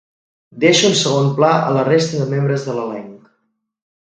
Deixo en segon pla a la resta de membres de l'elenc.